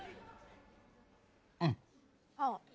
うん。